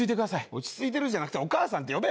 落ち着いてじゃなくてお母さんって呼べよこの野郎。